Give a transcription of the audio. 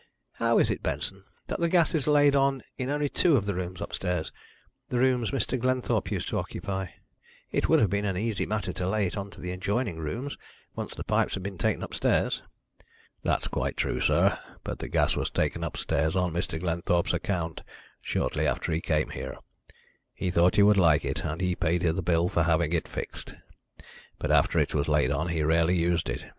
How is it, Benson, that the gas is laid on in only two of the rooms upstairs the rooms Mr. Glenthorpe used to occupy? It would have been an easy matter to lay it on to the adjoining rooms, once the pipes had been taken upstairs." "That's quite true, sir, but the gas was taken upstairs on Mr. Glenthorpe's account, shortly after he came here. He thought he would like it, and he paid the bill for having it fixed. But after it was laid on he rarely used it.